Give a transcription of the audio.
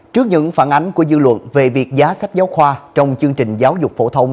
trước những phản ánh của dư luận về việc giá sách giáo khoa trong chương trình giáo dục phổ thông